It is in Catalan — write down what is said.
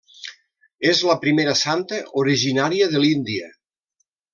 És la primera santa originària de l'Índia.